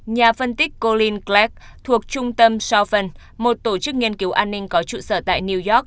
nhà phân tích colin kleck thuộc trung tâm chauvin một tổ chức nghiên cứu an ninh có trụ sở tại new york